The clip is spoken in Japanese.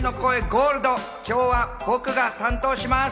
ゴールド、今日は僕が担当します。